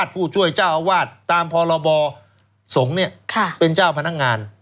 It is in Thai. ผู้ช่วยเจ้าอาวาสตามพรบสงฆ์เป็นเจ้าพนักงาน